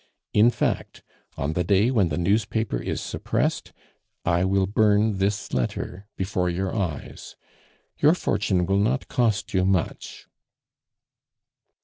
In fact, on the day when the newspaper is suppressed, I will burn this letter before your eyes. ... Your fortune will not cost you much."